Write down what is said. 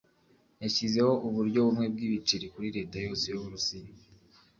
yashyizeho uburyo bumwe bw'ibiceri kuri Leta yose y'Uburusiya